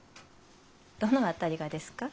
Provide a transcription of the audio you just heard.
どの辺りがですか？